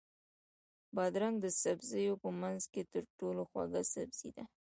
بادرنګ د سبزیو په منځ کې تر ټولو خوږ سبزی ده.